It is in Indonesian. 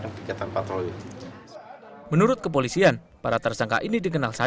ketika petugas menangkap puluhan remaja dan pelajar